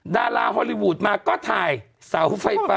ดาราฮอลลีวูดมาก็ถ่ายเสาไฟฟ้า